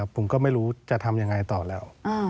ผมก็ไม่รู้จะทำยังไงต่อแล้ว